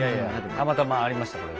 たまたまありましたこれ。